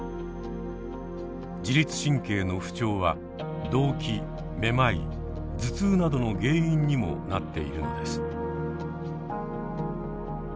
自律神経の不調は動悸めまい頭痛などの原因にもなっているのです。